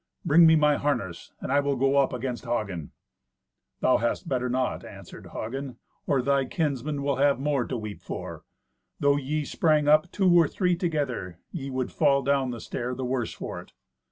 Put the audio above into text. Bring me my harness, and I will go up against Hagen." "Thou hadst better not," answered Hagen, "or thy kinsmen will have more to weep for. Though ye sprang up two or three together, ye would fall down the stair the worse for it."